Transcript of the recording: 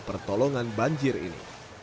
pertolongan banjir ini